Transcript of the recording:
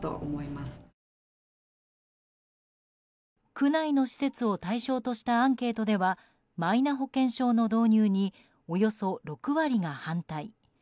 区内の施設を対象としたアンケートではマイナ保険証の導入におよそ６割が反対。